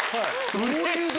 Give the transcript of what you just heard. うれしい！